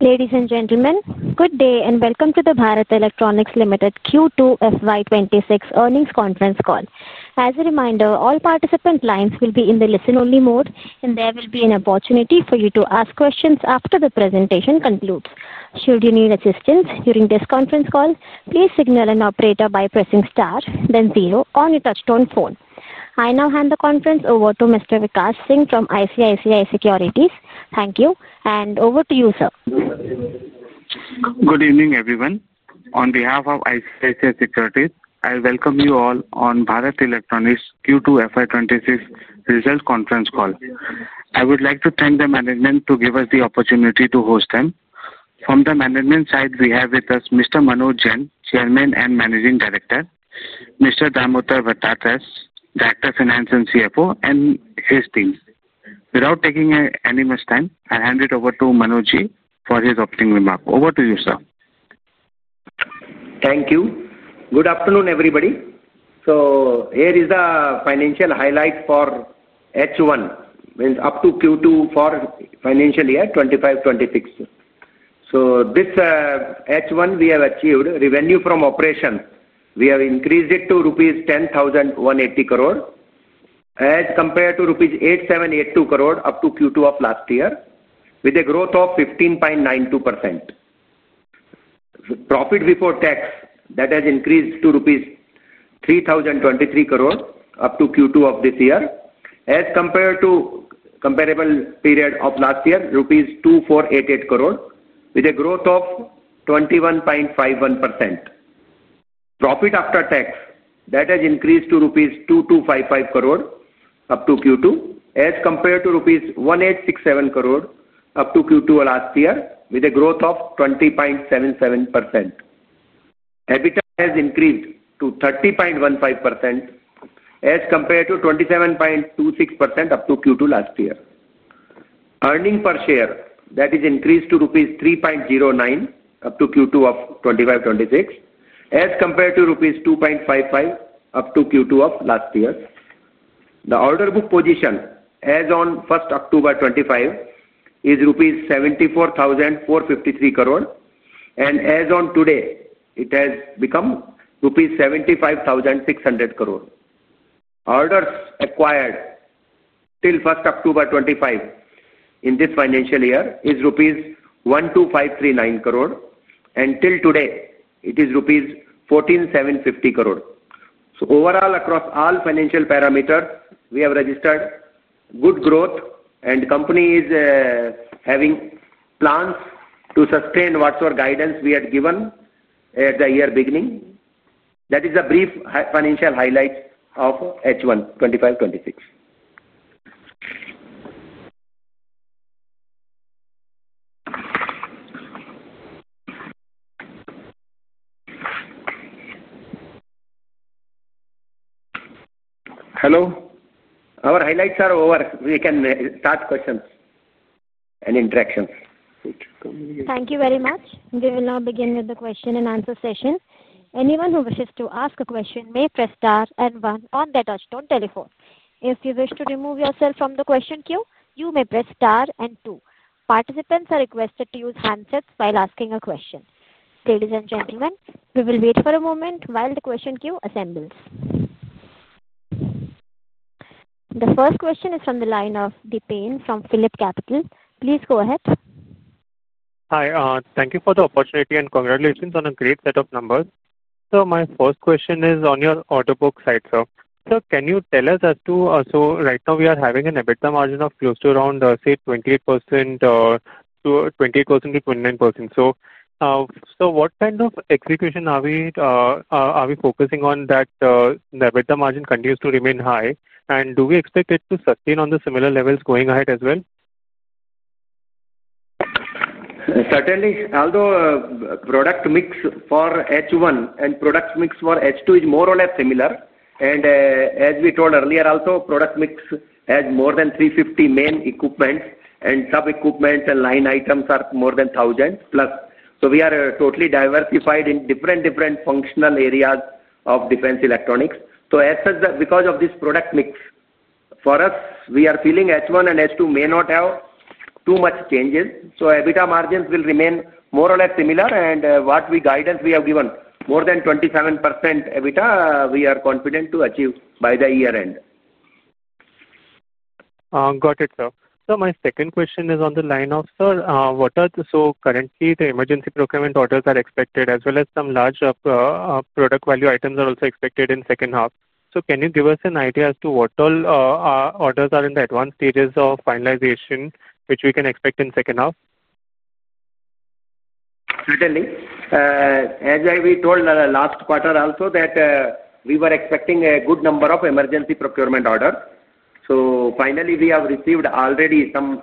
Ladies and gentlemen, good day and welcome to the Bharat Electronics Limited Q2 FY 2026 Earnings Conference Call. As a reminder, all participant lines will be in the listen-only mode, and there will be an opportunity for you to ask questions after the presentation concludes. Should you need assistance during this conference call, please signal an operator by pressing star, then zero, on a touch-tone phone. I now hand the conference over to Mr. Vikash Singh from ICICI Securities. Thank you, and over to you, sir. Good evening, everyone. On behalf of ICICI Securities, I welcome you all on Bharat Electronics Q2 FY 2026 result conference call. I would like to thank the management for giving us the opportunity to host them. From the management side, we have with us Mr. Manoj Jain, Chairman and Managing Director, Mr. Damodar Bhattad S., Director of Finance and CFO, and his team. Without taking any much time, I hand it over to [Manojji] for his opening remark. Over to you, sir. Thank you. Good afternoon, everybody. Here is the financial highlight for H1, meaning up to Q2 for financial year 2025-2026. This H1 we have achieved revenue from operation. We have increased it to rupees 10,180 crore, as compared to rupees 8,782 crore up to Q2 of last year, with a growth of 15.92%. Profit before tax has increased to rupees 3,023 crore up to Q2 of this year, as compared to the comparable period of last year, rupees 2,488 crore, with a growth of 21.51%. Profit after tax has increased to rupees 2,255 crore up to Q2, as compared to rupees 1,867 crore up to Q2 of last year, with a growth of 20.77%. EBITDA has increased to 30.15%, as compared to 27.26% up to Q2 last year. Earnings per share has increased to rupees 3.09 up to Q2 of 2025-2026, as compared to rupees 2.55 up to Q2 of last year. The order book position as of 1st October 2025 is INR 74,453 crore, and as of today, it has become 75,600 crore. Orders acquired till 1st October 2025 in this financial year is rupees 12,539 crore, and till today it is rupees 14,750 crore. Overall, across all financial parameters, we have registered good growth, and the company is having plans to sustain whatever guidance we had given at the year beginning. That is the brief financial highlight of H1 2025-2026. Hello. Our highlights are over. We can start questions and interactions. Thank you very much. We will now begin with the question-and-answer session. Anyone who wishes to ask a question may press star and one on their touch-tone telephone. If you wish to remove yourself from the question queue, you may press star and two. Participants are requested to use handsets while asking a question. Ladies and gentlemen, we will wait for a moment while the question queue assembles. The first question is from the line of Dipen from PhillipCapital. Please go ahead. Hi. Thank you for the opportunity and congratulations on a great set of numbers. My first question is on your order book side, sir. Can you tell us, right now we are having an EBITDA margin of close to around 28%-29%. What kind of execution are we focusing on that the EBITDA margin continues to remain high, and do we expect it to sustain on the similar levels going ahead as well? Certainly. Although product mix for H1 and product mix for H2 is more or less similar, and as we told earlier, although product mix has more than 350 main equipments, and sub-equipment and line items are more than 1,000+, we are totally diversified in different functional areas of defense electronics. Because of this product mix, for us, we are feeling H1 and H2 may not have too much changes. EBITDA margins will remain more or less similar, and what guidance we have given, more than 27% EBITDA, we are confident to achieve by the year end. Got it, sir. My second question is on the line of, sir, what are the, currently the emergency procurement orders are expected, as well as some large product value items are also expected in the second half. Can you give us an idea as to what all orders are in the advanced stages of finalization, which we can expect in the second half? Certainly. As we told last quarter also that we were expecting a good number of emergency procurement orders. We have received already some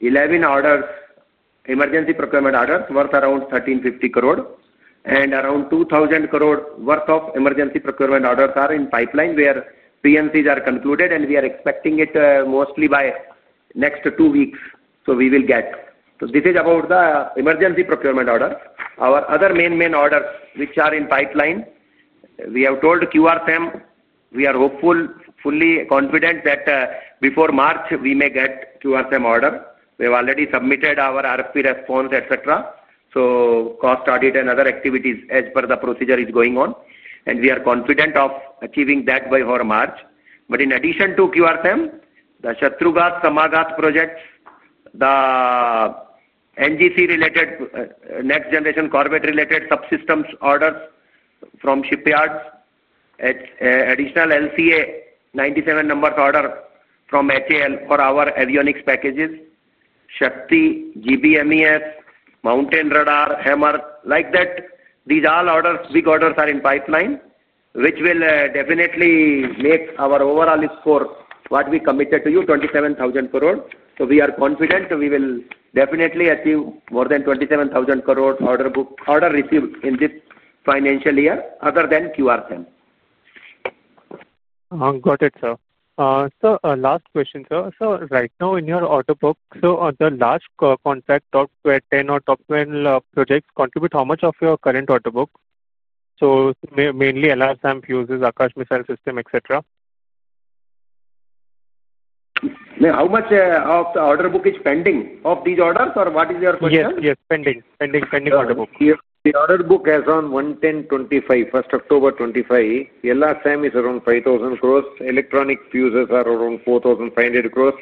11 orders, emergency procurement orders worth around 1,350 crore, and around 2,000 crore worth of emergency procurement orders are in pipeline where PMCs are concluded, and we are expecting it mostly by next 2 weeks. We will get. This is about the emergency procurement order. Our other main orders, which are in pipeline, we have told QRSAM. We are hopeful, fully confident that before March, we may get QRSAM order. We have already submitted our RFP response, etc., so cost audit and other activities as per the procedure is going on, and we are confident of achieving that by March. In addition to QRSAM, the Shatrughat, Samaghat projects, the NGC-related Next Generation Corvette-related subsystems orders from shipyards, additional LCA 97-number order from HAL for our avionics packages, Shakti, GBMES, Mountain Radar, [HAMMER] like that, these all orders, big orders are in pipeline, which will definitely make our overall score, what we committed to you, 27,000 crore. We are confident we will definitely achieve more than 27,000 crore order receive in this financial year other than QRSAM. Got it, sir. Last question, sir. Right now in your order book, the large contract top 10 or top 12 projects contribute how much of your current order book? Mainly LRSAM fuses, Akash missile system, etc.? How much of the order book is pending of these orders, or what is your question? Yes, yes. Pending order book. The order book is on 11,025 crore, 1st October 2025. LRSAM is around 5,000 crore. Electronic fuses are around 4,500 crore.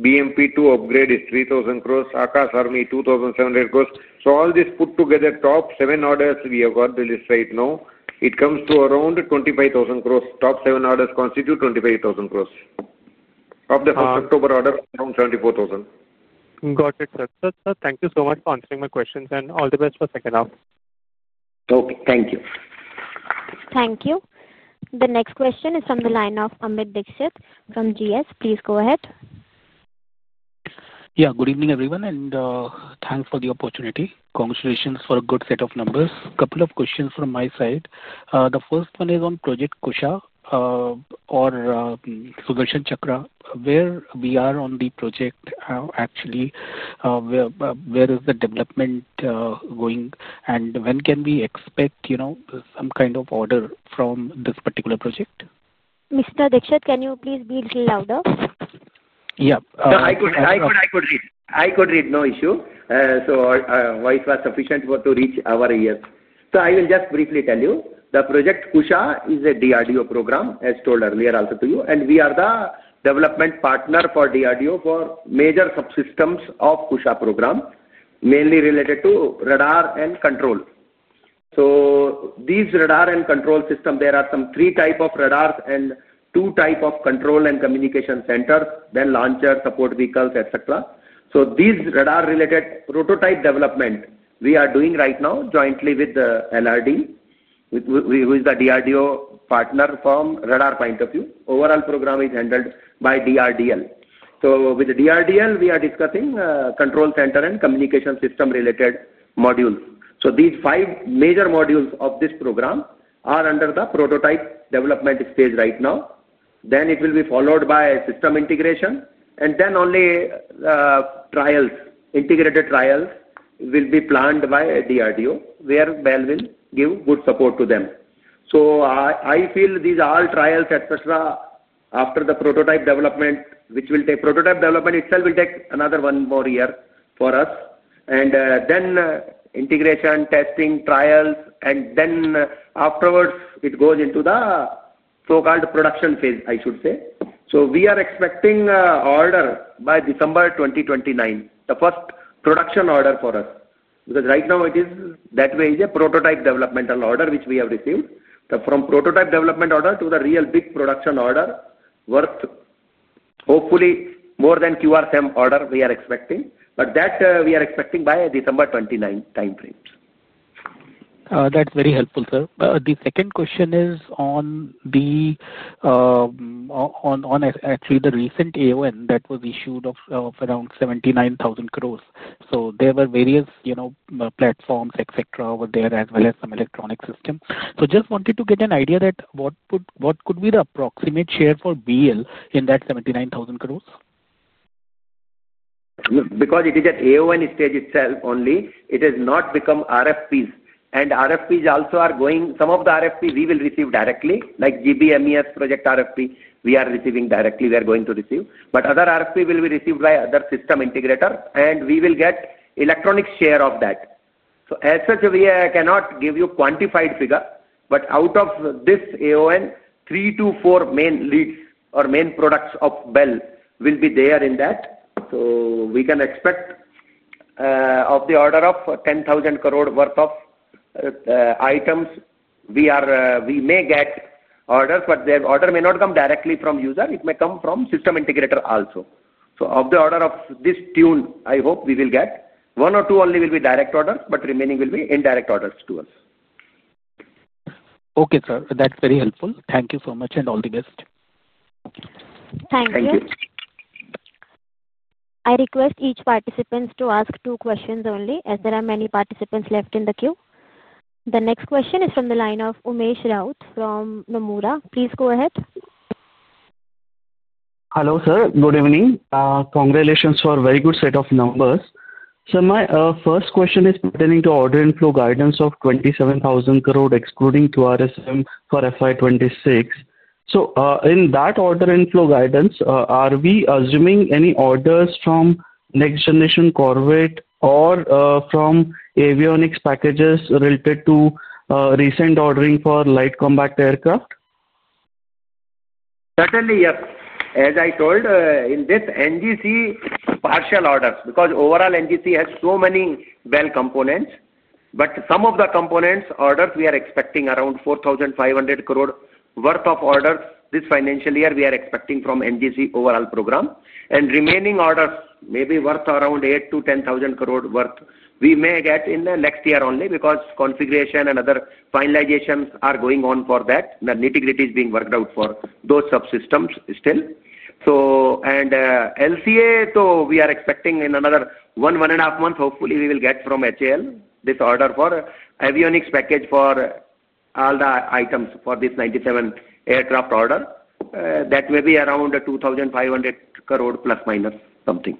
BMP-2 upgrade is 3,000 crore. Akash army 2,700 crore. All this put together, top seven orders we have got the list right now, it comes to around 25,000 crore. Top seven orders constitute 25,000 crore. Of the 1st October order, around 24,000 crore. Got it, sir. Thank you so much for answering my questions, and all the best for the second half. Okay. Thank you. Thank you. The next question is from the line of Amit Dixit from GS. Please go ahead. Yeah. Good evening, everyone, and thanks for the opportunity. Congratulations for a good set of numbers. A couple of questions from my side. The first one is on Project Kusha or Sudarshan Chakra, where we are on the project, actually, where is the development going, and when can we expect some kind of order from this particular project? Mr. Dixit, can you please be a little louder? Yeah. I could read. No issue. Voice was sufficient to reach our ears. I will just briefly tell you, the Kusha program is a DRDO program, as told earlier also to you, and we are the development partner for DRDO for major subsystems of the Kusha program, mainly related to radar and control. These radar and control systems, there are some three types of radars and two types of control and communication centers, then launchers, support vehicles, etc. These radar-related prototype development we are doing right now jointly with the LRD, who is the DRDO partner from the radar point of view. The overall program is handled by DRDL. With DRDL, we are discussing control center and communication system-related modules. These five major modules of this program are under the prototype development stage right now. It will be followed by system integration, and then only trials, integrated trials, will be planned by DRDO, where BEL will give good support to them. I feel these are all trials, etc., after the prototype development, which will take—prototype development itself will take another one more year for us, and then integration, testing, trials, and then afterwards it goes into the so-called production phase, I should say. We are expecting order by December 2029, the first production order for us, because right now it is that way, it is a prototype developmental order, which we have received. From prototype development order to the real big production order worth, hopefully more than the QRSAM order we are expecting, but that we are expecting by December 2029 timeframe. That's very helpful, sir. The second question is on actually the recent AON that was issued of around 79,000 crore. There were various platforms, etc., over there as well as some electronic systems. Just wanted to get an idea that what could be the approximate share for BEL in that 79,000 crore? Because it is at AON stage itself only, it has not become RFPs. RFPs also are going, some of the RFPs we will receive directly, like GBMES project RFP, we are receiving directly, we are going to receive. Other RFP will be received by other system integrator, and we will get electronic share of that. As such, we cannot give you quantified figure, but out of this AON, three to four main leads or main products of BEL will be there in that. We can expect of the order of 10,000 crore worth of items, we may get orders, but the order may not come directly from user. It may come from system integrator also. Of the order of this tune, I hope we will get one or two only will be direct orders, but remaining will be indirect orders to us. Okay, sir. That's very helpful. Thank you so much and all the best. Thank you. Thank you. I request each participant to ask two questions only, as there are many participants left in the queue. The next question is from the line of Umesh Raut from Nomura. Please go ahead. Hello, sir. Good evening. Congratulations for a very good set of numbers. My first question is pertaining to order inflow guidance of 27,000 crore excluding QRSAM for FY 2026. In that order inflow guidance, are we assuming any orders from Next Generation Corvette or from avionics packages related to recent ordering for Light Combat Aircraft? Certainly, yes. As I told, in this NGC partial orders, because overall NGC has so many BEL components, but some of the components orders we are expecting around 4,500 crore worth of orders this financial year we are expecting from NGC overall program. The remaining orders may be worth around 8,000-10,000 crore worth, we may get in the next year only because configuration and other finalizations are going on for that. The nitty-gritty is being worked out for those subsystems still. For LCA, we are expecting in another 1, 1.5 months, hopefully we will get from HAL this order for avionics package for all the items for this 97 aircraft order. That may be around 2,500 crore plus minus something.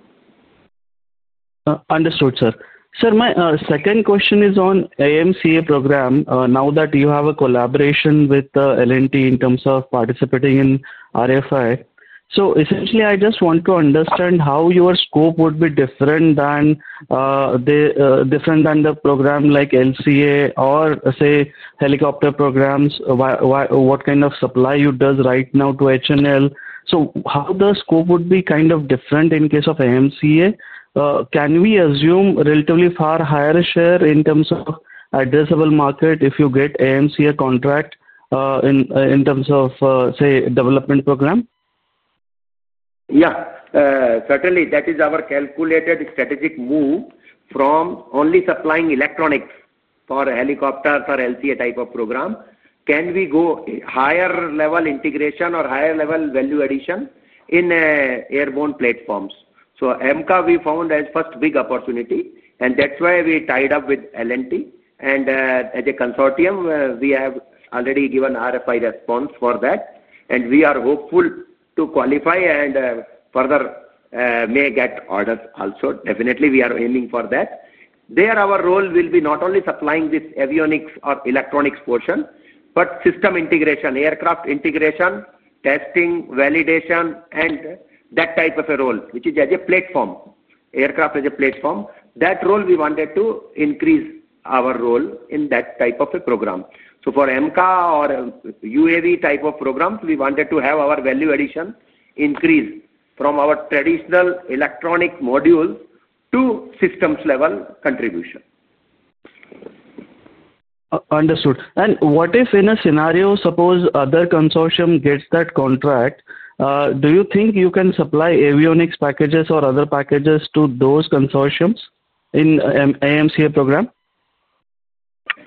Understood, sir. Sir, my second question is on AMCA program. Now that you have a collaboration with L&T in terms of participating in RFI, I just want to understand how your scope would be different than the program like LCA or, say, helicopter programs, what kind of supply you do right now to HAL. How would the scope be kind of different in case of AMCA? Can we assume relatively far higher share in terms of addressable market if you get AMCA contract in terms of, say, development program? Yeah. Certainly, that is our calculated strategic move from only supplying electronics for helicopter for LCA type of program. Can we go higher level integration or higher level value addition in airborne platforms? AMCA we found as first big opportunity, and that's why we tied up with L&T. As a consortium, we have already given RFI response for that, and we are hopeful to qualify and further may get orders also. Definitely, we are aiming for that. There, our role will be not only supplying this avionics or electronics portion, but system integration, aircraft integration, testing, validation, and that type of a role, which is as a platform, aircraft as a platform. That role we wanted to increase our role in that type of a program. For AMCA or UAV type of programs, we wanted to have our value addition increase from our traditional electronic modules to systems level contribution. Understood. If in a scenario, suppose other consortia get that contract, do you think you can supply avionics packages or other packages to those consortia in the AMCA program?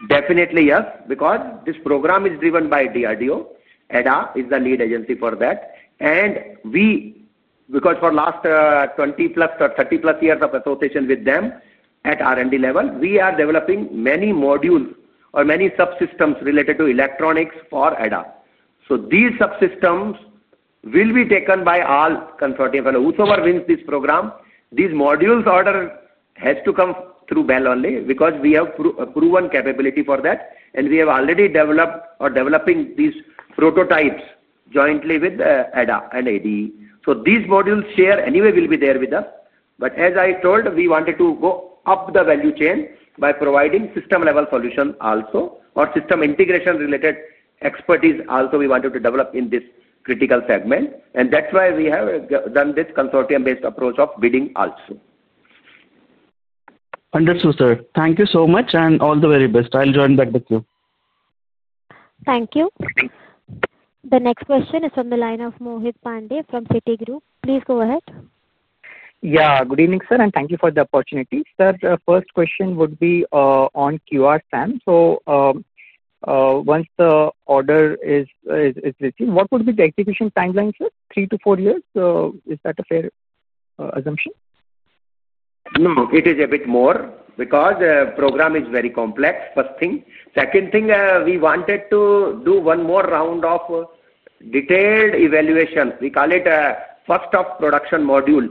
Definitely, yes, because this program is driven by DRDO. ADA is the lead agency for that. For last 20+ or 30+ years of association with them at R&D level, we are developing many modules or many subsystems related to electronics for ADA. These subsystems will be taken by all consortia. Whosoever wins this program, these modules order has to come through BEL only because we have proven capability for that, and we have already developed or developing these prototypes jointly with ADA and ADE. These modules share anyway will be there with us. As I told, we wanted to go up the value chain by providing system level solution also or system integration related expertise also we wanted to develop in this critical segment. That's why we have done this consortium-based approach of bidding also. Understood, sir. Thank you so much and all the very best. I'll join back the queue. Thank you. The next question is from the line of Mohit Pandey from Citigroup. Please go ahead. Good evening, sir, and thank you for the opportunity. Sir, first question would be on QRSAM. Once the order is received, what would be the execution timeline, sir? 3-4 years? Is that a fair assumption? No, it is a bit more because the program is very complex, first thing. Second thing, we wanted to do one more round of detailed evaluation. We call it first of production module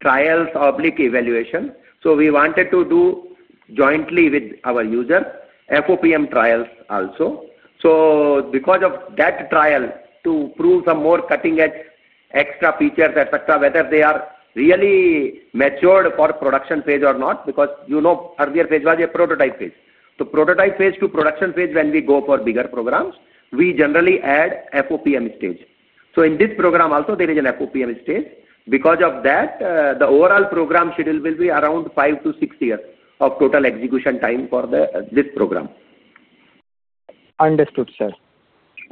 trials or oblique evaluation. We wanted to do jointly with our user FOPM trials also. Because of that trial, to prove some more cutting-edge extra features, whether they are really matured for production phase or not, because earlier phase was a prototype phase. Prototype phase to production phase, when we go for bigger programs, we generally add FOPM stage. In this program also, there is an FOPM stage. Because of that, the overall program schedule will be around 5-6 years of total execution time for this program. Understood, sir.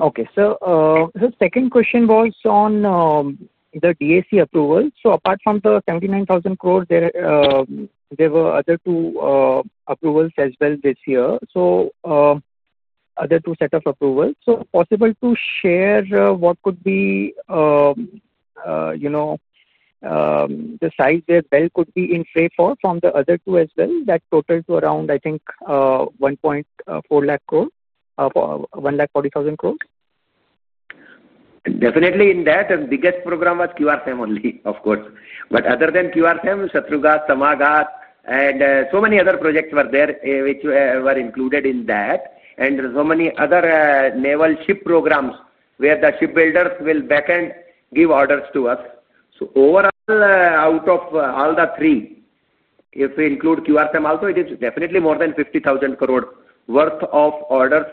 Okay. The second question was on the DAC approval. Apart from the 79,000 crore, there were other two approvals as well this year. Other two set of approvals. Is it possible to share what could be the size that BEL could be in play for from the other two as well? That totaled to around, I think, 1.4 lakh crore. 140,000 crore? Definitely, in that, the biggest program was QRSAM only, of course. Other than QRSAM, Shatrughat, Samaghat, and so many other projects were there, which were included in that, and so many other naval ship programs where the shipbuilders will backend give orders to us. Overall, out of all the three, if we include QRSAM also, it is definitely more than 50,000 crore worth of orders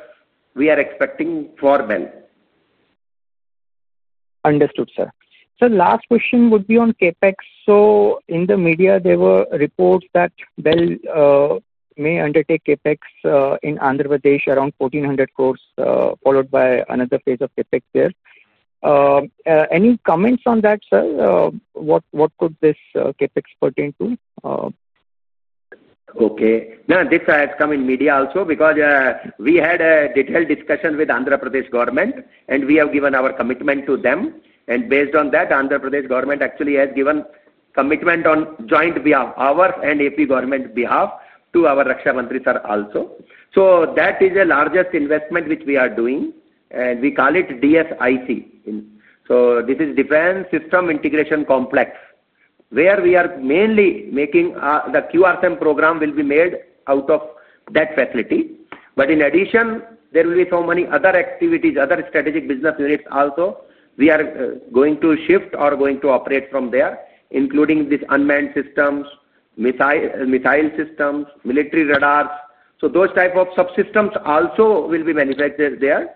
we are expecting for BEL. Understood, sir. Sir, last question would be on CapEx. In the media, there were reports that BEL may undertake CapEx in Andhra Pradesh around 1,400 crore, followed by another phase of CapEx there. Any comments on that, sir? What could this CapEx pertain to? Okay. Now, this has come in media also because we had a detailed discussion with Andhra Pradesh government, and we have given our commitment to them. Based on that, Andhra Pradesh government actually has given commitment on joint behalf, our and AP government behalf, to our Raksha Mantri sir also. That is the largest investment which we are doing, and we call it DSIC. This is Defense System Integration Complex, where we are mainly making the QRSAM program, which will be made out of that facility. In addition, there will be so many other activities, other strategic business units also, we are going to shift or going to operate from there, including these unmanned systems, missile systems, military radars. Those types of subsystems also will be manufactured there.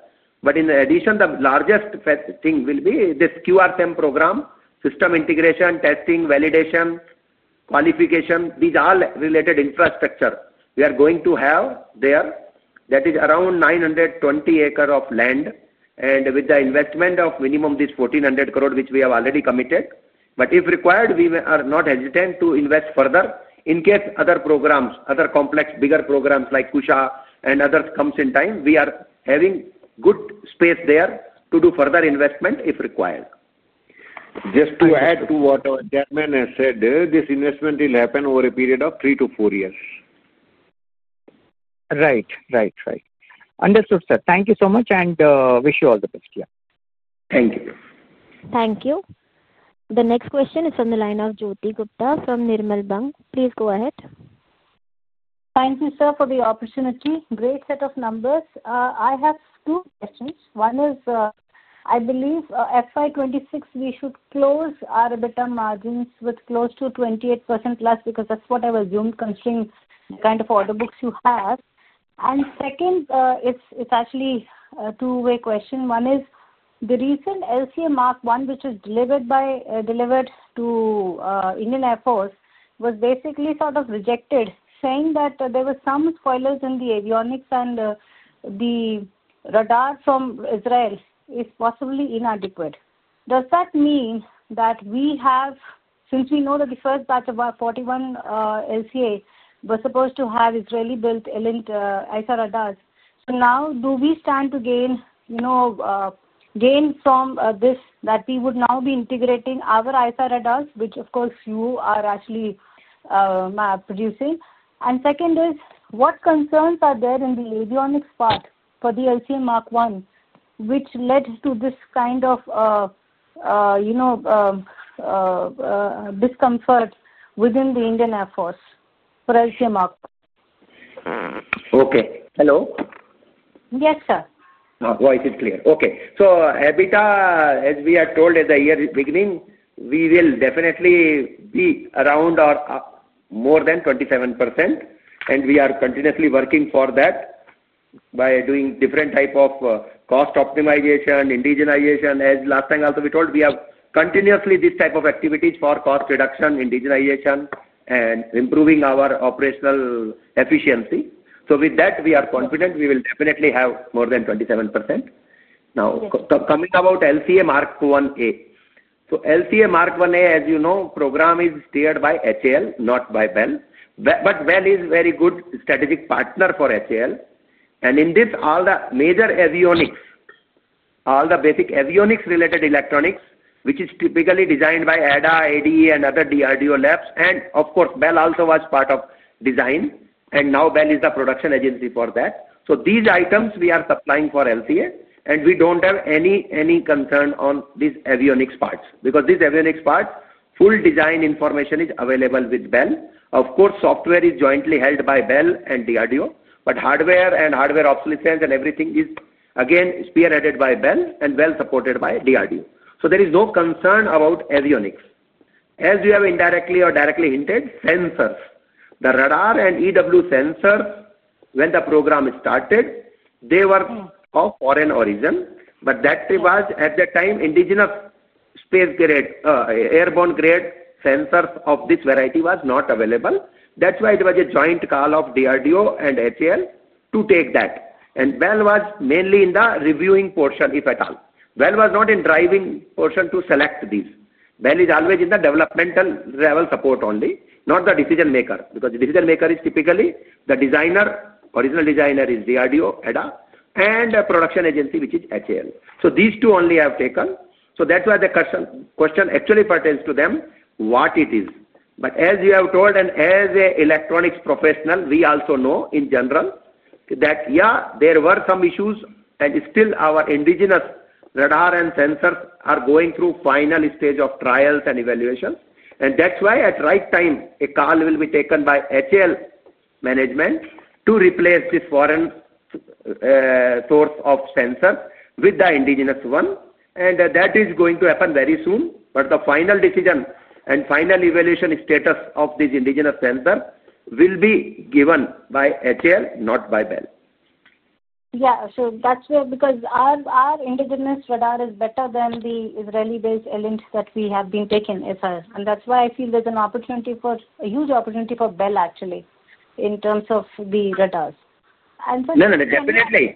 In addition, the largest thing will be this QRSAM program, system integration, testing, validation, qualification, these all related infrastructure we are going to have there. That is around 920 acres of land, and with the investment of minimum 1,400 crore, which we have already committed. If required, we are not hesitant to invest further in case other programs, other complex, bigger programs like Kusha and others come in time, we are having good space there to do further investment if required. Just to add to what Chairman has said, this investment will happen over a period of 3-4 years. Right, right, right. Understood, sir. Thank you so much, and wish you all the best, yeah. Thank you. Thank you. The next question is from the line of Jyoti Gupta from Nirmal Bang. Please go ahead. Thank you, sir, for the opportunity. Great set of numbers. I have two questions. One is, I believe FY 2026 we should close our EBITDA margins with close to 28%+ because that's what I've assumed considering the kind of order book you have. Second, it's actually a two-way question. One is, the recent LCA Mark 1, which was delivered to Indian Air Force, was basically sort of rejected, saying that there were some spoilers in the avionics and the radar from Israel is possibly inadequate. Does that mean that we have, since we know that the first batch of our 41 LCA was supposed to have israeli-built EI ISR radars, now, do we stand to gain from this that we would now be integrating our ISR radars, which of course you are actually producing? Second is, what concerns are there in the avionics part for the LCA Mark 1, which led to this kind of discomfort within the Indian Air Force for LCA Mark 1? Okay. Hello? Yes, sir. Oh, it is clear. Okay. So EBITDA, as we are told at the beginning, we will definitely be around or more than 27%, and we are continuously working for that. By doing different type of cost optimization, indigenization, as last time also we told, we have continuously this type of activities for cost reduction, indigenization, and improving our operational efficiency. With that, we are confident we will definitely have more than 27%. Now, coming about LCA Mark 1A. LCA Mark 1A, as you know, program is steered by HAL, not by BEL. BEL is a very good strategic partner for HAL. In this, all the major avionics, all the basic avionics-related electronics, which is typically designed by ADA, ADE, and other DRDO labs. Of course, BEL also was part of design, and now BEL is the production agency for that. These items we are supplying for LCA, and we don't have any concern on these avionics parts. Because these avionics parts, full design information is available with BEL. Of course, software is jointly held by BEL and DRDO. Hardware and hardware obsolescence and everything is, again, spearheaded by BEL and BEL supported by DRDO. There is no concern about avionics. As we have indirectly or directly hinted, sensors, the radar and EW sensors, when the program started, they were of foreign origin. At that time, indigenous space-grade, airborne-grade sensors of this variety was not available. That was a joint call of DRDO and HAL to take that. BEL was mainly in the reviewing portion, if at all. BEL was not in the driving portion to select these. BEL is always in the developmental level support only, not the decision maker. The decision maker is typically the designer, original designer is DRDO, ADA, and a production agency, which is HAL. These two only have taken. The question actually pertains to them, what it is. As you have told, and as an electronics professional, we also know in general that, yeah, there were some issues, and still our indigenous radar and sensors are going through final stage of trials and evaluations. At the right time, a call will be taken by HAL management to replace this foreign source of sensor with the indigenous one. That is going to happen very soon. The final decision and final evaluation status of this indigenous sensor will be given by HAL, not by BEL. Yeah, that's why, because our indigenous radar is better than the Israeli-based L&T that we have been taking, sir. That's why I feel there's an opportunity, a huge opportunity for BEL, actually, in terms of the radars. No, definitely.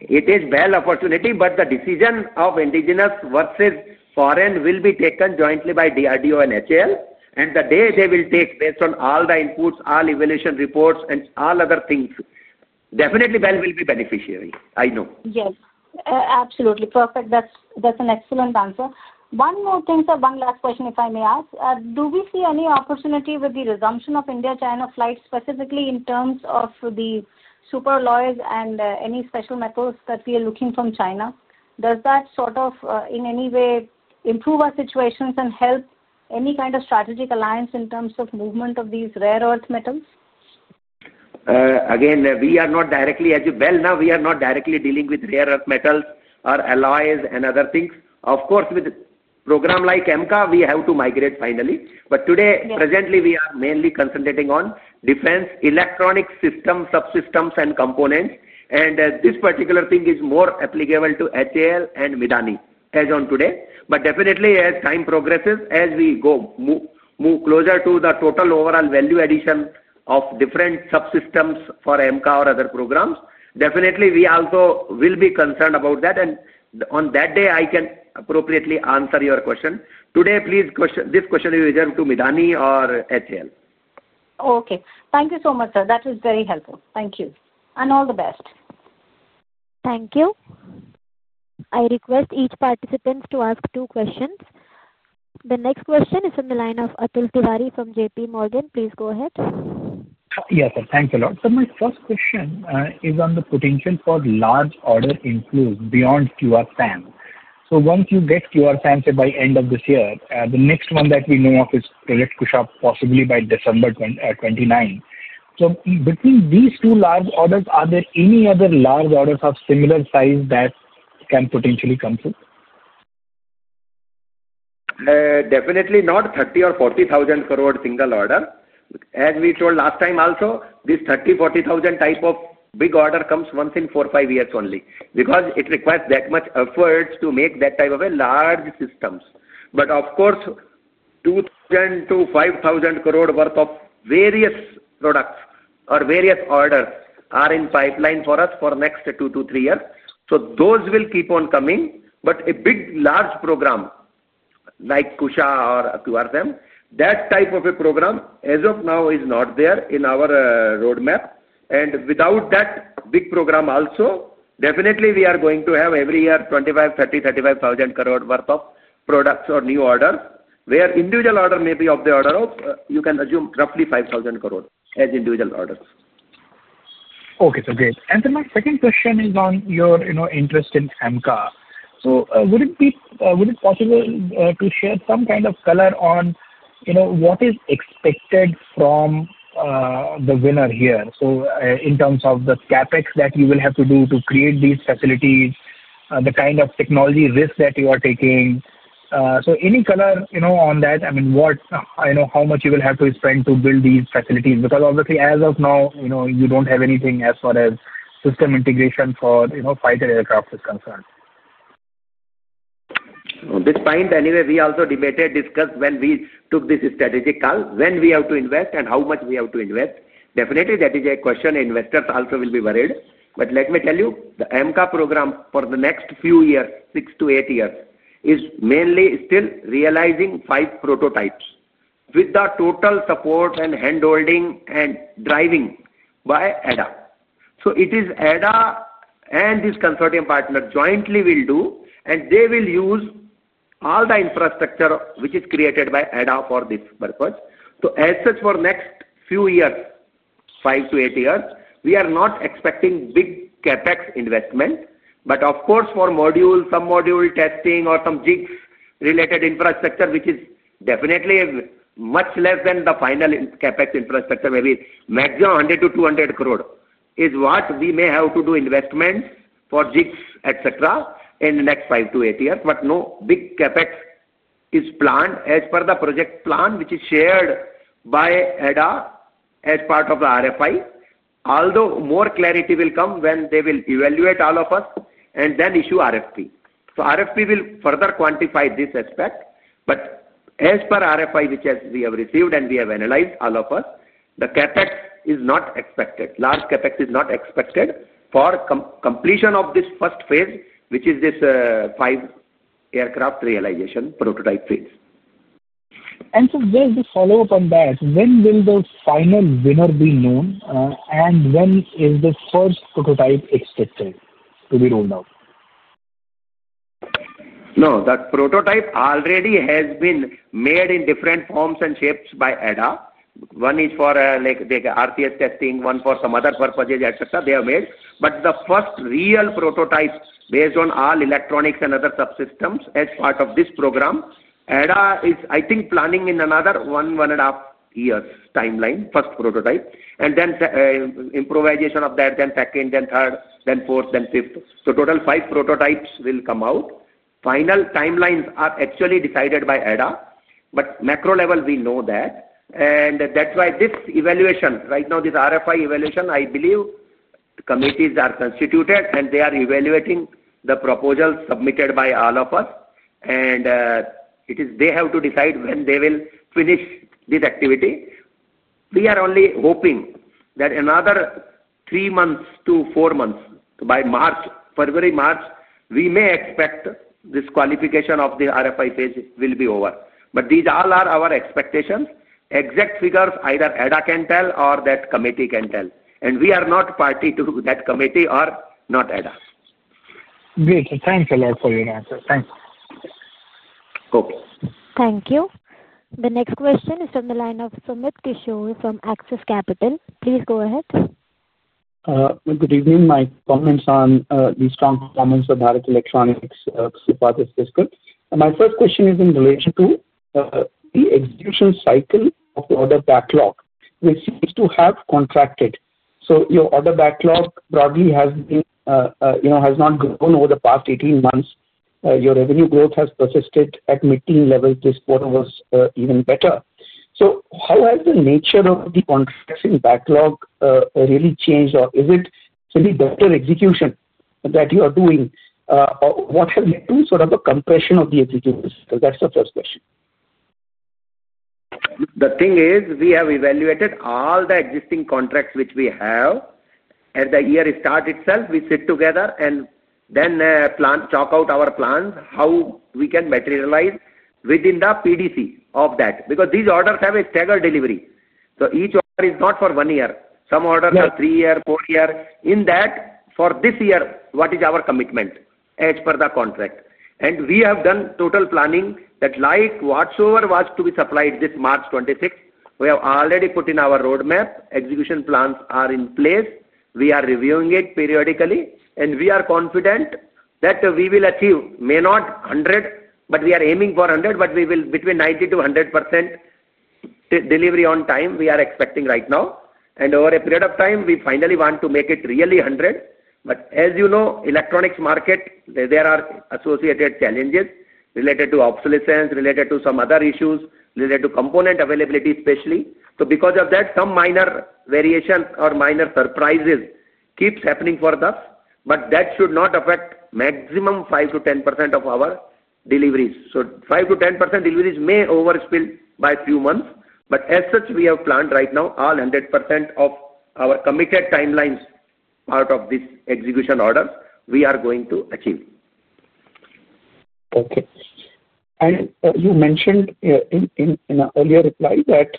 It is BEL opportunity, but the decision of indigenous versus foreign will be taken jointly by DRDO and HAL. The day they will take, based on all the inputs, all evaluation reports, and all other things, definitely BEL will be beneficiary. I know. Yes. Absolutely. Perfect. That's an excellent answer. One more thing, sir, one last question, if I may ask. Do we see any opportunity with the resumption of India-China flights, specifically in terms of the superalloys and any special metals that we are looking from China? Does that, in any way, improve our situations and help any kind of strategic alliance in terms of movement of these rare earth metals? Again, we are not directly, as BEL, now, we are not directly dealing with rare earth metals or alloys and other things. Of course, with a program like AMCA, we have to migrate finally. Today, presently, we are mainly concentrating on defense electronic system subsystems and components. This particular thing is more applicable to HAL and MIDHANI as of today. Definitely, as time progresses, as we move closer to the total overall value addition of different subsystems for AMCA or other programs, we also will be concerned about that. On that day, I can appropriately answer your question. Today, please, this question is reserved to MIDHANI or HAL. Okay. Thank you so much, sir. That was very helpful. Thank you, and all the best. Thank you. I request each participant to ask two questions. The next question is from the line of Atul Tiwari from JPMorgan. Please go ahead. Yes, sir. Thank you a lot. My first question is on the potential for large order inflows beyond QRSAM. Once you get QRSAM by end of this year, the next one that we know of is Project Kusha, possibly by December 2029. Between these two large orders, are there any other large orders of similar size that can potentially come through? Definitely not 30,000 crore or 40,000 crore single order. As we told last time also, this 30,000 crore, 40,000 crore type of big order comes once in 4, 5 years only because it requires that much effort to make that type of large systems. Of course, 2,000 crore-5,000 crore worth of various products or various orders are in pipeline for us for the next 2-3 years. Those will keep on coming. A big large program like Kusha or QRSAM, that type of a program, as of now, is not there in our roadmap. Without that big program also, definitely, we are going to have every year [25,000 crore, 30,000 crore, 35,000 crore] worth of products or new orders, where individual order may be of the order of, you can assume, roughly 5,000 crore as individual orders. Okay. Great. My second question is on your interest in AMCA. Would it be possible to share some kind of color on what is expected from the winner here? In terms of the CapEx that you will have to do to create these facilities, the kind of technology risk that you are taking, any color on that? I mean, how much you will have to spend to build these facilities? Obviously, as of now, you don't have anything as far as system integration for fighter aircraft is concerned. this point, anyway, we also debated, discussed when we took this strategic call, when we have to invest, and how much we have to invest. Definitely, that is a question investors also will be worried about. Let me tell you, the AMCA program for the next few years, 6-8 years, is mainly still realizing five prototypes with the total support and handholding and driving by DRDO. It is DRDO and this consortium partner jointly will do, and they will use all the infrastructure which is created by DRDO for this purpose. As such, for the next few years, 5-8 years, we are not expecting big CapEx investment. Of course, for some module testing or some jigs-related infrastructure, which is definitely much less than the final CapEx infrastructure, maybe maximum 100 crore-200 crore, is what we may have to do investments for jigs, etc., in the next 5-8 years. No big CapEx is planned as per the project plan, which is shared by ADA as part of the RFI. Although more clarity will come when they will evaluate all of us and then issue RFP. RFP will further quantify this aspect. As per RFI, which we have received and we have analyzed all of us, the CapEx is not expected. Large CapEx is not expected for completion of this first phase, which is this five aircraft realization prototype phase. When will the final winner be known, and when is the first prototype expected to be rolled out? No, the prototype already has been made in different forms and shapes by ADA. One is for RTS testing, one for some other purposes, etc., they have made. The first real prototype, based on all electronics and other subsystems as part of this program, ADA is, I think, planning in another 1, 1.5 years timeline, first prototype. Then improvisation of that, then second, then third, then fourth, then fifth. Total five prototypes will come out. Final timelines are actually decided by ADA. At the macro level, we know that. That is why this evaluation, right now, this RFI evaluation, I believe. Committees are constituted, and they are evaluating the proposals submitted by all of us. They have to decide when they will finish this activity. We are only hoping that another 3 months-4 months, by February, March, we may expect this qualification of the RFI phase will be over. These all are our expectations. Exact figures, either ADA can tell or that committee can tell. We are not party to that committee or not ADA. Great. Thanks a lot for your answer. Thanks. Okay. Thank you. The next question is from the line of Sumit Kishore from Axis Capital. Please go ahead. Good evening. My comments on the strong performance of Bharat Electronics is discussed. My first question is in relation to the execution cycle of the order backlog, which seems to have contracted. Your order backlog broadly has not grown over the past 18 months. Your revenue growth has persisted at mid-teen levels. This quarter was even better. How has the nature of the contracting backlog really changed? Is it simply better execution that you are doing? What has led to sort of a compression of the execution? That's the first question. The thing is, we have evaluated all the existing contracts which we have. At the year start itself, we sit together and then talk out our plans, how we can materialize within the PDC of that. Because these orders have a staggered delivery. Each order is not for 1 year. Some orders are 3 years, 4 years. In that, for this year, what is our commitment as per the contract? We have done total planning that, like whatsoever was to be supplied this March 2026, we have already put in our roadmap. Execution plans are in place. We are reviewing it periodically. We are confident that we will achieve, may not 100, but we are aiming for 100%, but we will be between 90%-100%. Delivery on time, we are expecting right now. Over a period of time, we finally want to make it really 100% As you know, electronics market, there are associated challenges related to obsolescence, related to some other issues, related to component availability, especially. Because of that, some minor variation or minor surprises keeps happening for us. That should not affect maximum 5%-10% of our deliveries. So 5%-10% deliveries may overspill by a few months. As such, we have planned right now, all 100% of our committed timelines part of this execution order, we are going to achieve. Okay. You mentioned in an earlier reply that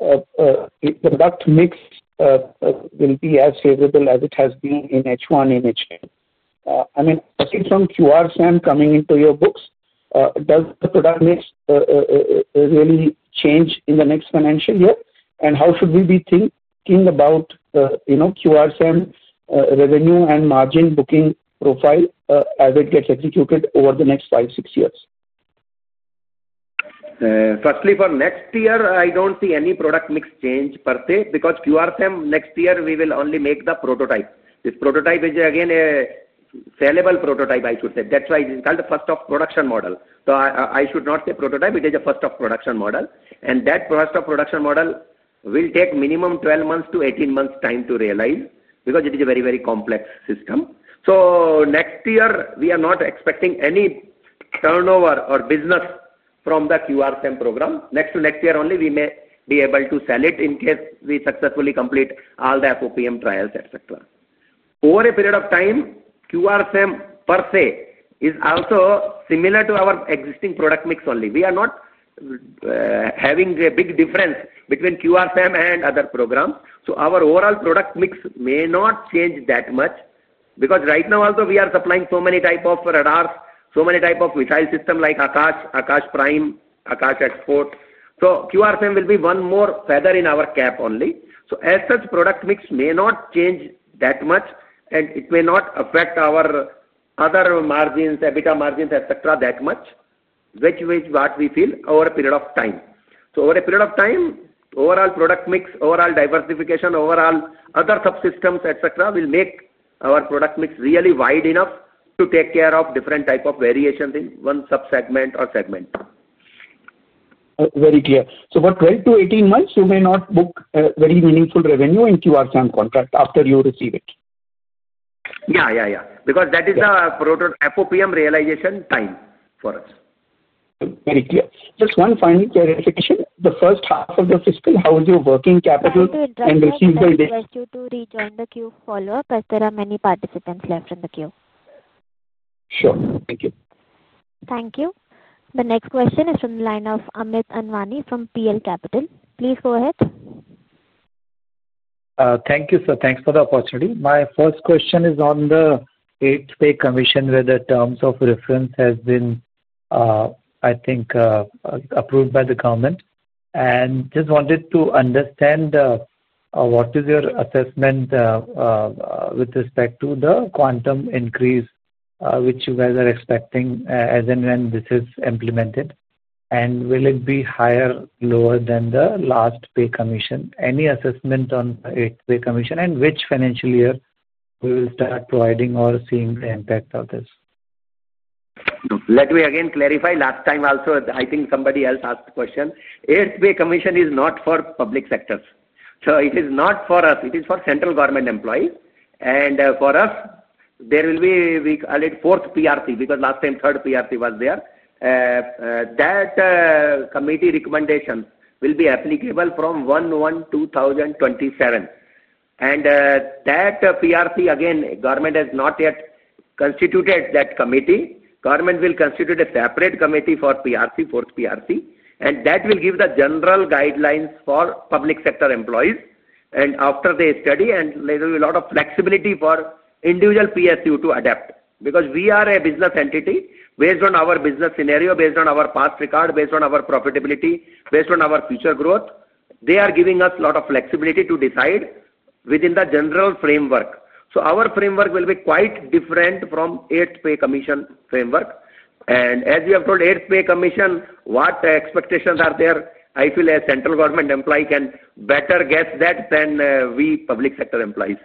the product mix will be as favorable as it has been in H1 in H2. I mean, aside from QRSAM coming into your books, does the product mix really change in the next financial year? How should we be thinking about QRSAM revenue and margin booking profile as it gets executed over the next five, six years? Firstly, for next year, I don't see any product mix change per se. Because QRSAM next year, we will only make the prototype. This prototype is, again, a sellable prototype, I should say. That's why it is called the first of production model. I should not say prototype. It is a first of production model, and that first of production model will take minimum 12 months-18 months to realize because it is a very, very complex system. Next year, we are not expecting any turnover or business from the QRSAM program. Next to next year only, we may be able to sell it in case we successfully complete all the FOPM trials, etc. Over a period of time, QRSAM per se is also similar to our existing product mix only. We are not having a big difference between QRSAM and other programs. Our overall product mix may not change that much. Right now, although we are supplying so many types of radars, so many types of missile systems like Akash, Akash Prime, Akash Export, QRSAM will be one more feather in our cap only. As such, product mix may not change that much, and it may not affect our other margins, EBITDA margins, etc., that much, which is what we feel over a period of time. Over a period of time, overall product mix, overall diversification, overall other subsystems, etc., will make our product mix really wide enough to take care of different types of variations in one subsegment or segment. Very clear. For 12-18 months, you may not book very meaningful revenue in QRSAM contract after you receive it. Yeah, yeah. Because that is the FOPM realization time for us. Very clear. Just one final clarification. The first half of the fiscal, how is your working capital and receivables? I would like to rejoin the queue for a follow-up as there are many participants left in the queue. Sure. Thank you. Thank you. The next question is from the line of Amit Anwani from PL Capital. Please go ahead. Thank you, sir. Thanks for the opportunity. My first question is on the eighth pay commission, where the terms of reference have been, I think, approved by the government. I just wanted to understand what is your assessment with respect to the quantum increase which you guys are expecting as and when this is implemented. Will it be higher or lower than the last pay commission? Any assessment on the eighth pay commission, and which financial year will start providing or seeing the impact of this? Let me again clarify. Last time also, I think somebody else asked the question. Eighth-pay commission is not for public sectors. It is not for us. It is for central government employees. For us, there will be a fourth PRC because last time, third PRC was there. That committee recommendation will be applicable from 01/01/2027. That PRC, again, government has not yet constituted that committee. Government will constitute a separate committee for PRC, fourth PRC. That will give the general guidelines for public sector employees. After they study, there will be a lot of flexibility for individual PSU to adapt. We are a business entity based on our business scenario, based on our past record, based on our profitability, based on our future growth. They are giving us a lot of flexibility to decide within the general framework. Our framework will be quite different from eighth-pay commission framework. As we have told, eighth-pay commission, what expectations are there, I feel a central government employee can better guess that than we public sector employees.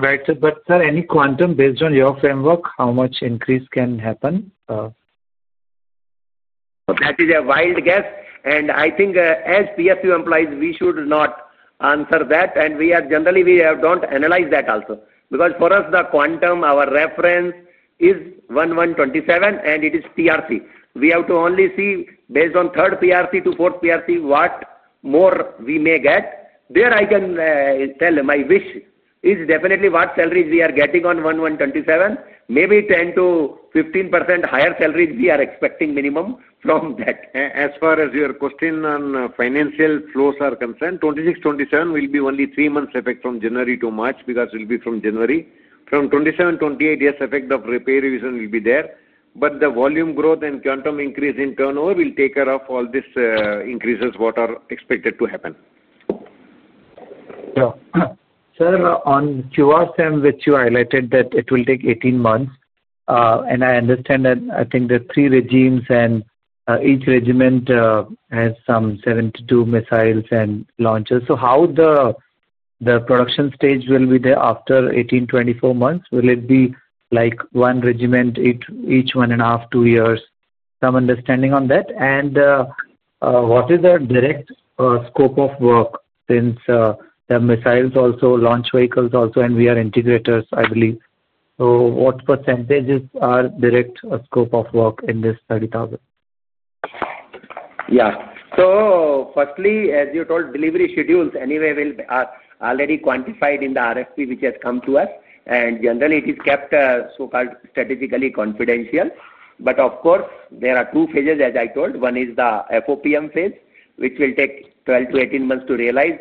Right. Sir, any quantum based on your framework, how much increase can happen? That is a wild guess. I think as PSU employees, we should not answer that. Generally, we don't analyze that also. For us, the quantum, our reference is 01/01/2027, and it is TRC. We have to only see based on third PRC to fourth PRC what more we may get. There, I can tell my wish is definitely what salaries we are getting on 01/01/2027. Maybe 10%-15% higher salaries we are expecting minimum from that. As far as your question on financial flows are concerned, 2026-2027 will be only three months effect from January to March because it will be from January. From 2027-2028, yes, effect of pay revision will be there. The volume growth and quantum increase in turnover will take care of all these increases what are expected to happen. Sure. Sir, on QRSAM, which you highlighted that it will take 18 months. I understand that I think there are three regiments, and each regiment has some 72 missiles and launchers. How will the production stage be there after 18-24 months? Will it be like one regiment each 1.5, 2 years? Some understanding on that. What is the direct scope of work since the missiles also, launch vehicles also, and we are integrators, I believe? What percentages are direct scope of work in this 30,000 crore? Yeah. So firstly, as you told, delivery schedules anyway will be already quantified in the RFP which has come to us. Generally, it is kept strategically confidential. Of course, there are two phases, as I told. One is the FOPM phase, which will take 12-18 months to realize,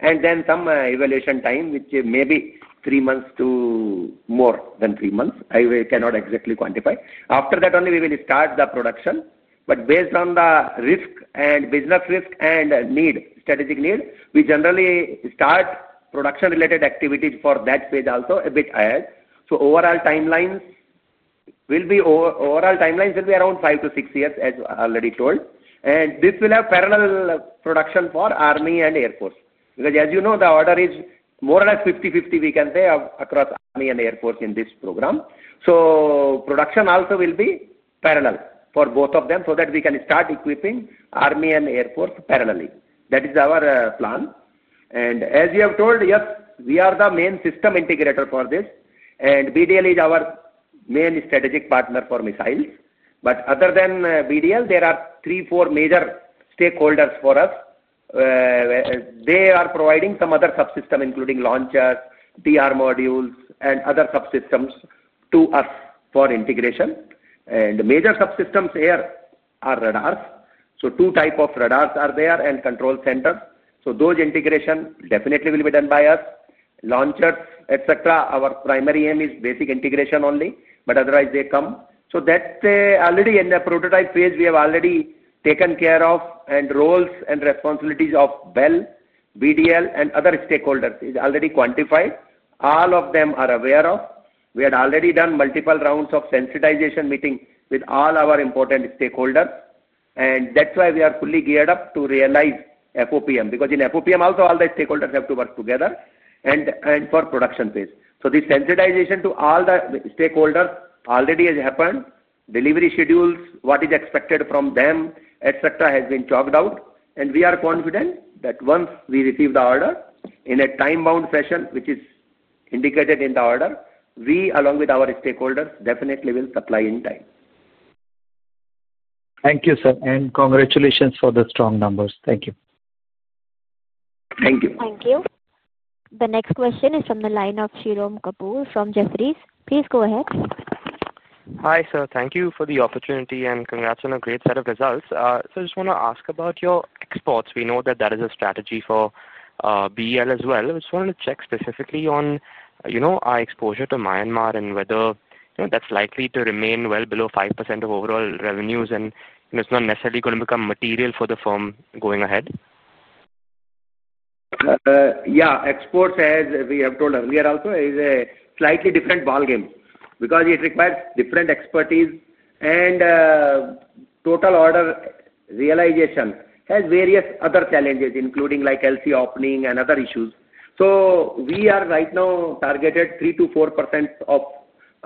and then some evaluation time, which may be three months to more than three months. I cannot exactly quantify. After that only, we will start the production. Based on the risk and business risk and strategic need, we generally start production-related activities for that phase also a bit ahead. Overall timelines will be around 5-6 years, as already told. This will have parallel production for Army and Air Force. As you know, the order is more or less 50/50, we can say, across Army and Air Force in this program. Production also will be parallel for both of them so that we can start equipping Army and Air Force parallelly. That is our plan. As you have told, yes, we are the main system integrator for this, and BDL is our main strategic partner for missiles. Other than BDL, there are three, four major stakeholders for us. They are providing some other subsystem, including launchers, TR modules, and other subsystems to us for integration. The major subsystems here are radars, so two types of radars are there and control centers. Those integration definitely will be done by us. Launchers, etc., our primary aim is basic integration only, but otherwise, they come. Already in the prototype phase, we have already taken care of and roles and responsibilities of BEL, BDL, and other stakeholders is already quantified. All of them are aware of. We had already done multiple rounds of sensitization meetings with all our important stakeholders. That is why we are fully geared up to realize FOPM. In FOPM also, all the stakeholders have to work together and for production phase. The sensitization to all the stakeholders already has happened. Delivery schedules, what is expected from them, etc., has been chalked out. We are confident that once we receive the order in a time-bound fashion, which is indicated in the order, we, along with our stakeholders, definitely will supply in time. Thank you, sir. Congratulations for the strong numbers. Thank you. Thank you. Thank you. The next question is from the line of Shirom Kapur from Jefferies. Please go ahead. Hi, sir. Thank you for the opportunity and congrats on a great set of results. I just want to ask about your exports. We know that that is a strategy for BEL as well. I just wanted to check specifically on our exposure to Myanmar and whether that's likely to remain well below 5% of overall revenues and it's not necessarily going to become material for the firm going ahead. Yeah. Exports, as we have told earlier also, is a slightly different ballgame because it requires different expertise. Total order realization has various other challenges, including like LC opening and other issues. We are right now targeted 3%-4% of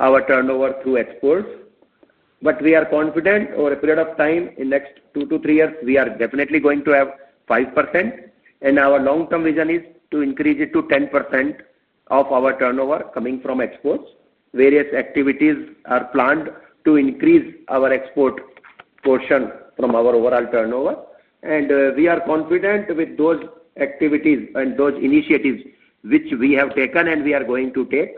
our turnover through exports. We are confident over a period of time in the next 2-3 years, we are definitely going to have 5%. Our long-term vision is to increase it to 10% of our turnover coming from exports. Various activities are planned to increase our export portion from our overall turnover. We are confident with those activities and those initiatives which we have taken and we are going to take.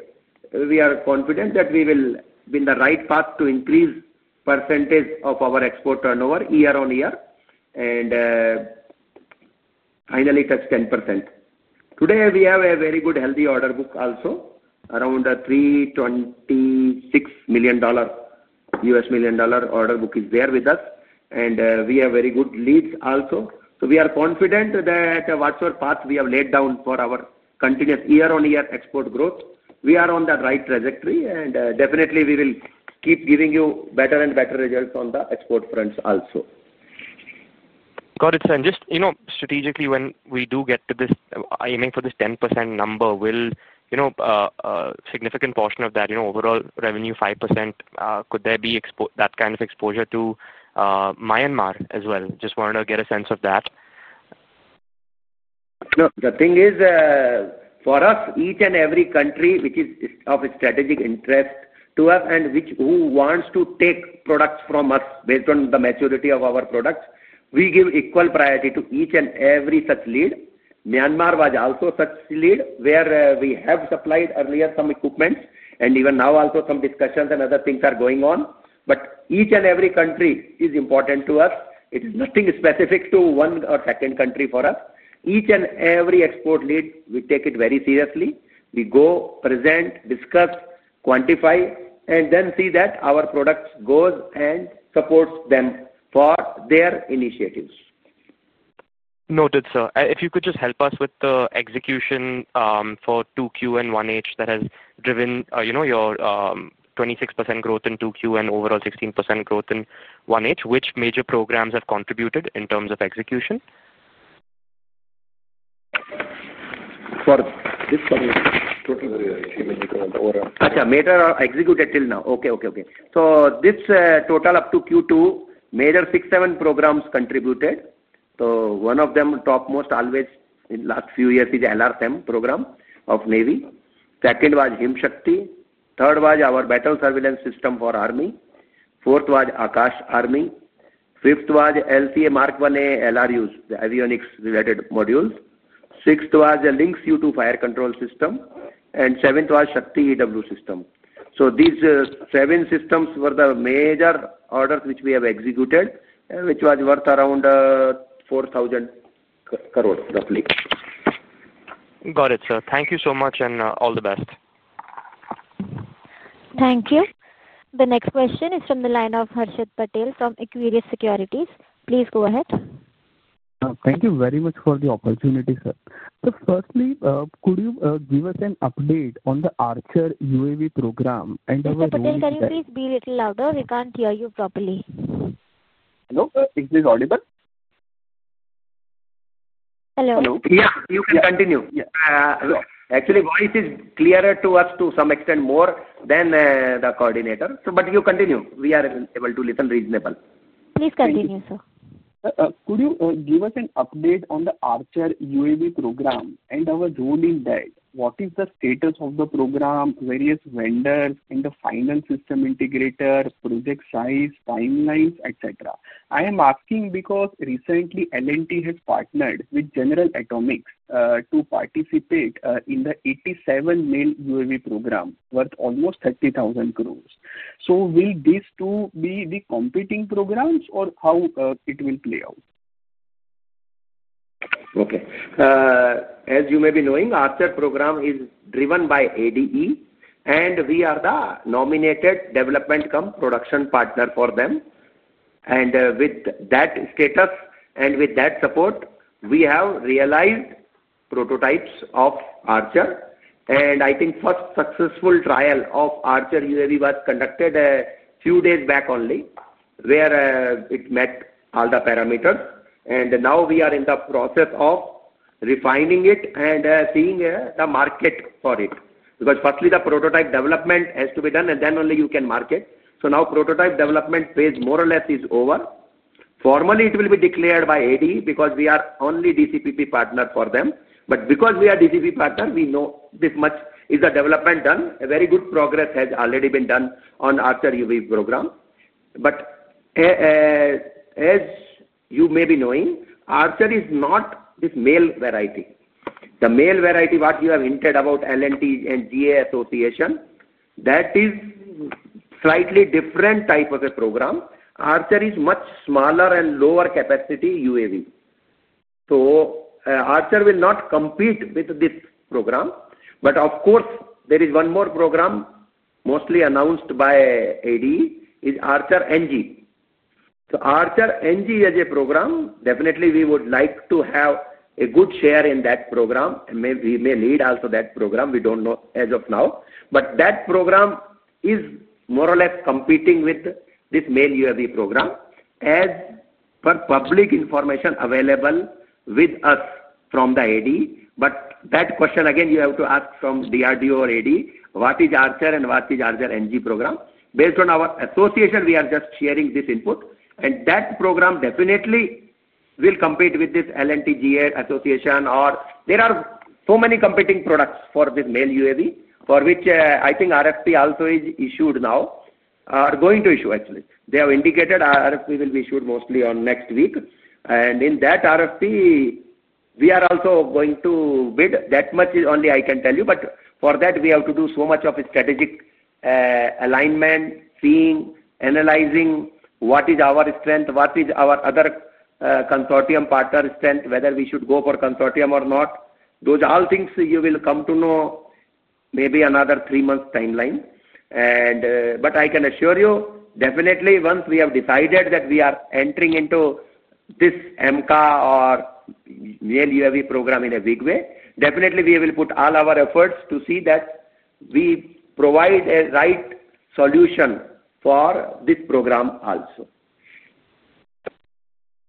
We are confident that we will be in the right path to increase the percentage of our export turnover year-on-year and finally touch 10%. Today, we have a very good healthy order book also, around $326 million. U.S. million order book is there with us. We have very good leads also. We are confident that whatever path we have laid down for our continuous year-on-year export growth, we are on the right trajectory. We will keep giving you better and better results on the export fronts also. Got it, sir. Just strategically, when we do get to this, aiming for this 10% number, will a significant portion of that overall revenue, 5%, could there be that kind of exposure to Myanmar as well? Just wanted to get a sense of that. Look, the thing is, for us, each and every country which is of a strategic interest to us and who wants to take products from us based on the maturity of our products, we give equal priority to each and every such lead. Myanmar was also such a lead where we have supplied earlier some equipment. Even now, also, some discussions and other things are going on. Each and every country is important to us. It is nothing specific to one or second country for us. Each and every export lead, we take it very seriously. We go, present, discuss, quantify, and then see that our product goes and supports them for their initiatives. Noted, sir. If you could just help us with the execution for 2Q and 1H that has driven your 26% growth in 2Q and overall 16% growth in 1H, which major programs have contributed in terms of execution? For this coming total. Yeah. Major executed till now. Okay, okay, okay. This total up to Q2, major six to seven programs contributed. One of them, topmost always in the last few years, is the LRSAM program of Navy. Second was Himshakti. Third was our battle surveillance system for Army. Fourth was Akash Army. Fifth was LCA Mark 1 LRUs, the avionics-related modules. Sixth was LINK U2 fire control system. Seventh was Shakti EW system. These seven systems were the major orders which we have executed, which was worth around 4,000 crore, roughly. Got it, sir. Thank you so much and all the best. Thank you. The next question is from the line of Harshit Patel from Equirus Securities. Please go ahead. Thank you very much for the opportunity, sir. Firstly, could you give us an update on the Archer UAV program and our roadmap? Mr. Patel, can you please be a little louder? We can't hear you properly. Hello, is this audible? Hello. Hello. Yeah, you can continue. Actually, voice is clearer to us to some extent more than the coordinator, but you continue. We are able to listen reasonably. Please continue, sir. Could you give us an update on the Archer UAV program and our role in that? What is the status of the program, various vendors, and the finance system integrator, project size, timelines, etc.? I am asking because recently, L&T has partnered with General Atomics to participate in the 87 MALE UAV program worth almost 30,000 crore. Will these two be the competing programs, or how it will play out? Okay. As you may be knowing, Archer program is driven by ADE. We are the nominated development company production partner for them. With that status and with that support, we have realized prototypes of Archer. I think the first successful trial of Archer UAV was conducted a few days back only, where it met all the parameters. Now we are in the process of refining it and seeing the market for it. Firstly, the prototype development has to be done, and then only you can market. Now prototype development phase more or less is over. Formally, it will be declared by ADE because we are only DCPP partner for them. Because we are DCPP partner, we know this much is the development done. A very good progress has already been done on the Archer UAV program. As you may be knowing, Archer is not this MALE variety. The MALE variety, what you have hinted about, L&T and GA association, that is a slightly different type of a program. Archer is much smaller and lower capacity UAV. Archer will not compete with this program. There is one more program, mostly announced by ADE, is Archer NG. Archer NG is a program. Definitely, we would like to have a good share in that program. We may lead also that program. We don't know as of now. That program is more or less competing with this MALE UAV program as per public information available with us from the ADE. That question, again, you have to ask from DRDO or ADE, what is Archer and what is Archer NG program? Based on our association, we are just sharing this input. That program definitely will compete with this L&T GA association. There are so many competing products for this MALE UAV, for which I think RFP also is issued now, or going to issue, actually. They have indicated RFP will be issued mostly next week. In that RFP, we are also going to bid. That much only I can tell you. For that, we have to do so much of a strategic alignment, seeing, analyzing what is our strength, what is our other consortium partner strength, whether we should go for consortium or not. Those all things you will come to know maybe another 3 months timeline. I can assure you, definitely, once we have decided that we are entering into this AMCA or MALE UAV program in a big way, definitely, we will put all our efforts to see that we provide a right solution for this program also.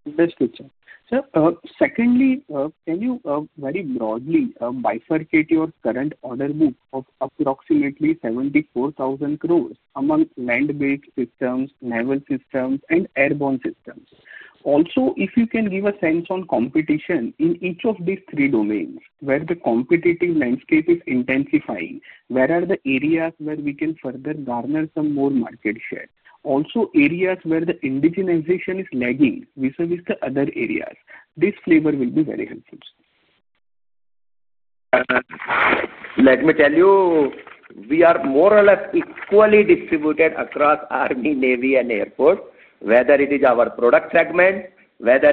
Understood, sir. Secondly, can you very broadly bifurcate your current order book of approximately 74,000 crore among land-based systems, naval systems, and airborne systems? Also, if you can give a sense on competition in each of these three domains where the competitive landscape is intensifying, where are the areas where we can further garner some more market share? Also, areas where the indigenization is lagging vis-à-vis the other areas. This flavor will be very helpful, sir. Let me tell you, we are more or less equally distributed across Army, Navy, and Air Force, whether it is our product segment or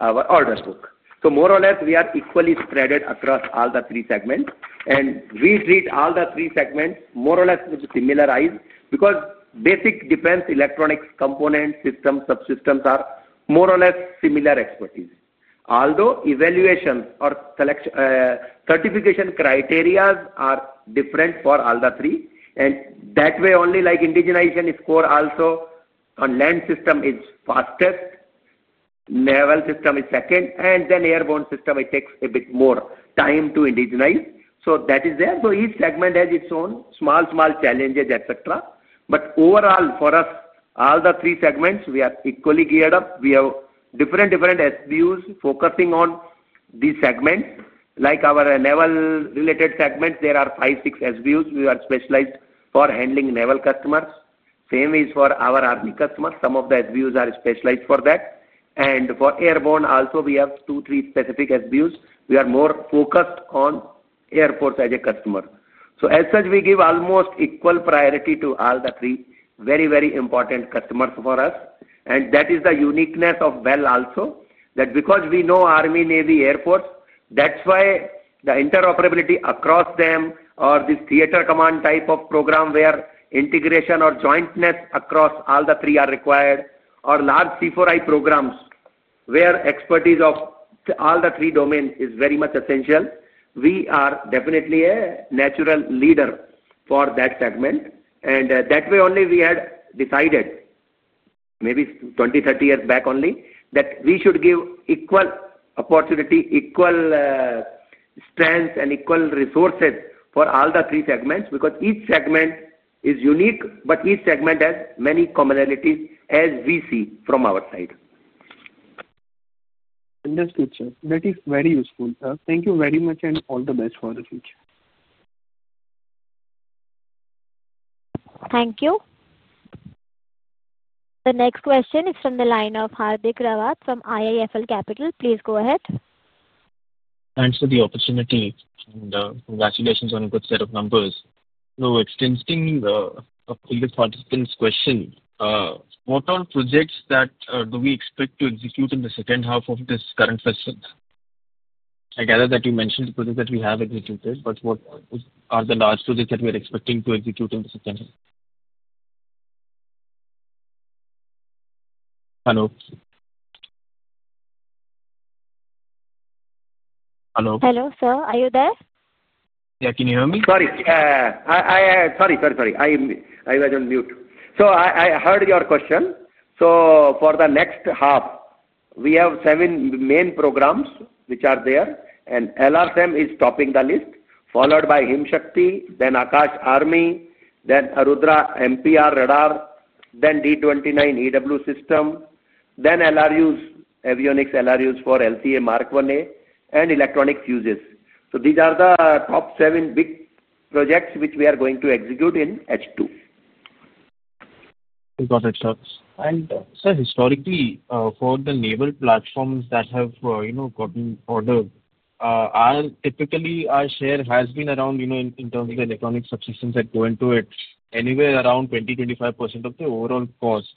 our order book. We are equally spread across all the three segments. We treat all the three segments more or less with similar eyes because basic defense electronics component systems and subsystems are more or less similar expertise. Although evaluation or certification criteria are different for all the three, in that way, only like indigenization score also on land system is fastest, naval system is second, and then airborne system, it takes a bit more time to indigenize. Each segment has its own small challenges, etc. Overall, for us, all the three segments, we are equally geared up. We have different SBUs focusing on these segments. Like our naval-related segments, there are five or six SBUs specialized for handling naval customers. Same is for our Army customers. Some of the SBUs are specialized for that. For airborne also, we have two or three specific SBUs more focused on Air Force as a customer. As such, we give almost equal priority to all the three very important customers for us. That is the uniqueness of Bharat Electronics Limited also, that because we know Army, Navy, Air Force, that's why the interoperability across them or this theater command type of program where integration or jointness across all the three are required, or large C4I programs where expertise of all the three domains is very much essential, we are definitely a natural leader for that segment. In that way only, we had decided maybe 20 years or 30 years back that we should give equal opportunity, equal strength, and equal resources for all the three segments because each segment is unique, but each segment has many commonalities as we see from our side. Understood, sir. That is very useful, sir. Thank you very much and all the best for the future. Thank you. The next question is from the line of Hardik Rawat from IIFL Capital. Please go ahead. Thanks for the opportunity. Congratulations on a good set of numbers. Extending on previous participants' question, what are projects that we expect to execute in the second half of this current fiscal year? I gather that you mentioned the projects that we have executed, but what are the large projects that we are expecting to execute in the second half? Hello? Hello? Hello, sir. Are you there? Yeah, can you hear me? I was on mute. I heard your question. For the next half, we have seven main programs which are there. LRSAM is topping the list, followed by Himshakti, then Akash Army, then Arudhra MPR Radar, then D-29 EW system, then LRUs, avionics, LRUs for LCA Mark 1A, and electronic fuses. These are the top seven big projects which we are going to execute in H2. Got it, sir. Sir, historically, for the naval platforms that have gotten ordered, typically, our share has been around, in terms of the electronic subsystems that go into it, anywhere around 20%-25% of the overall cost.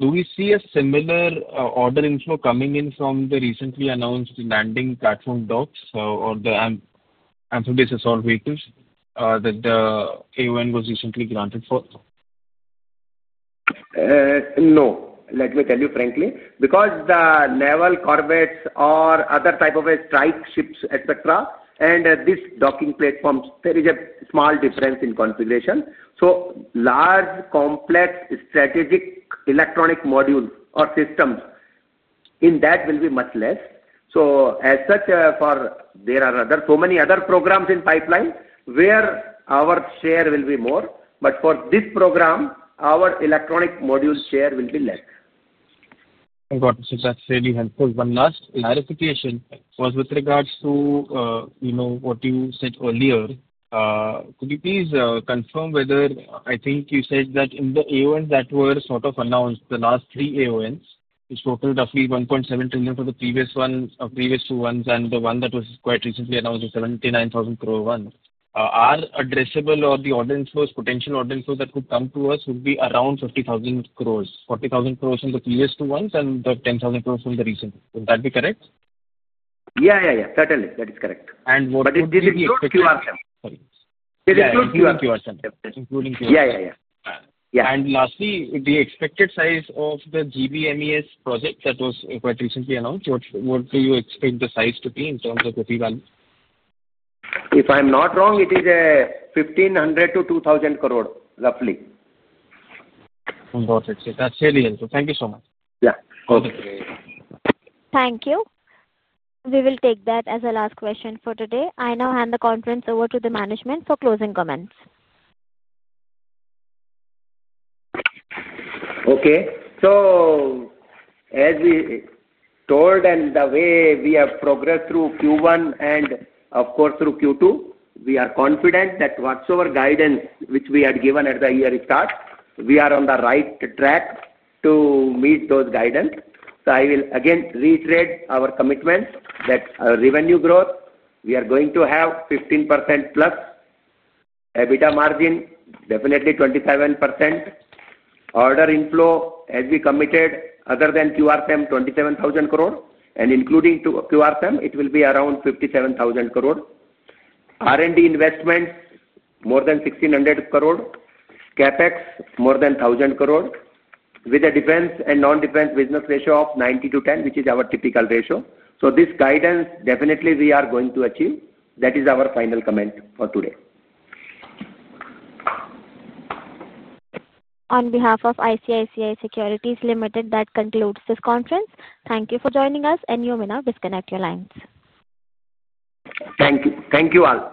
Do we see a similar order inflow coming in from the recently announced landing platform docks or the amphib assault vehicles that the AON was recently granted for? No. Let me tell you frankly, because the naval corvettes or other type of strike ships, etc., and these docking platforms, there is a small difference in configuration. Large, complex, strategic electronic modules or systems in that will be much less. As such, there are so many other programs in pipeline where our share will be more. For this program, our electronic module share will be less. Got it. That's really helpful. One last clarification was with regards to what you said earlier. Could you please confirm whether I think you said that in the AONs that were announced, the last three AONs, which totaled roughly 1.7 trillion for the previous ones, previous two ones, and the one that was quite recently announced, the 79,000 crore one, are addressable or the potential order inflows that could come to us would be around 50,000 crore, 40,000 crore from the previous two ones and 10,000 crore from the recent one. Would that be correct? Yeah, yeah. Certainly. That is correct. What is the QR? Including QR7. Including QR7. Yeah, yeah. Lastly, the expected size of the GBMES project that was quite recently announced, what do you expect the size to be in terms of the fee value? If I'm not wrong, it is 1,500 to 2,000 crore, roughly. Got it. That's really helpful. Thank you so much. Yeah. Okay. Thank you. We will take that as a last question for today. I now hand the conference over to the management for closing comments. As we told and the way we have progressed through Q1 and, of course, through Q2, we are confident that whatsoever guidance which we had given at the year's start, we are on the right track to meet those guidance. I will again reiterate our commitment that our revenue growth, we are going to have 15%+. EBITDA margin, definitely 27%. Order inflow, as we committed, other than QRSAM, 27,000 crore. Including QRSAM, it will be around 57,000 crore. R&D investment, more than 1,600 crore. CapEx, more than 1,000 crore, with a defense and non-defense business ratio of 90 to 10, which is our typical ratio. This guidance, definitely, we are going to achieve. That is our final comment for today. On behalf of ICICI Securities, that concludes this conference. Thank you for joining us, and you may now disconnect your lines. Thank you. Thank you all.